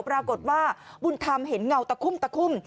ปรากฏว่าบุญธรรมเห็นเงาตะคุ่มตะคุ่ม